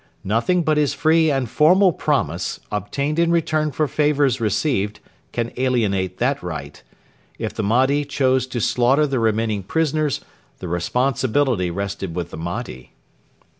Nothing but his free and formal promise, obtained in return for favours received, can alienate that right. If the Mahdi chose to slaughter the remaining prisoners, the responsibility rested with the Mahdi.